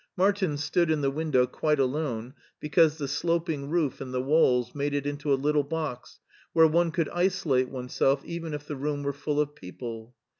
Martin stood in the window quite alone because the sloping roof and the walls made it into a little box where one could isolate oneself even if the room were full of people.